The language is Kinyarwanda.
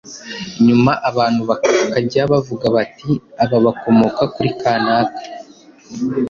nyuma abantu bakajya bavuga bati aba bakomoka kuri kanaka,